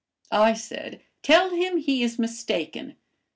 I said, 'Tell him he is mistaken.